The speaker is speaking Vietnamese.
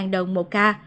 ba đồng một ca